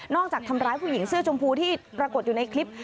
จากทำร้ายผู้หญิงเสื้อชมพูที่ปรากฏอยู่ในคลิป